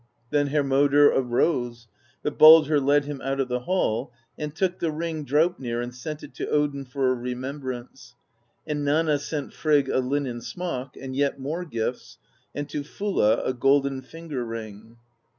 Then Hermodr arose; but Baldr led him out of the hall, and took the ring Draupnir and sent it to Odin for a remembrance. And Nanna sent Frigg a linen smock, and yet more gifts, and to Fulla a golden finger ring.